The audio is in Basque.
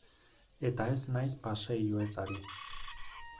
Eta ez naiz paseilloez ari.